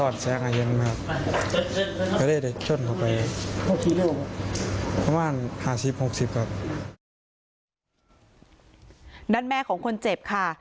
ด้านแม่ของคนเจ็บค่ะ